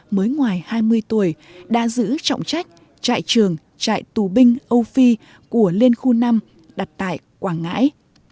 mới ngoài hai mươi tuổi đã giữ trọng trách trại trường trại tù binh âu phi của liên khu năm đặt tại quảng ngãi